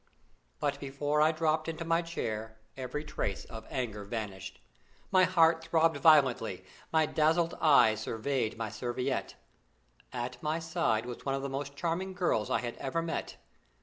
But before I dropped into my chair every trace of anger vanished. My heart throbbed violently, my dazzled eyes surveyed my serviette. At my side was one of the most charming girls I had ever met.